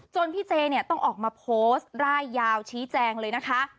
จนพี่เจต้องออกมาโพสต์หลายยาวชี้แจงเลยนะคะ